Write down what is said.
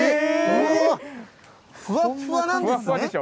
ふわふわなんですね。